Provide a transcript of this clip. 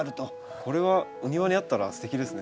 これはお庭にあったらすてきですね。